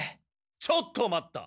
ちょっと待った。